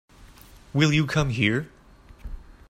Will you come here?